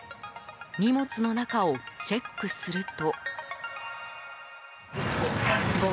荷物の中をチェックすると。